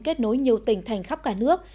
kết nối nhiều tỉnh thành khắp cả nước